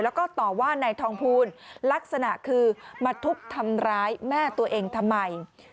แล้วก็ต่อว่านายทองภูลลักษณะคือมาทุบทำร้ายแม่ตัวเองทำไม